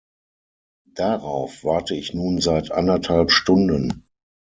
Darauf warte ich nun seit anderthalb Stunden.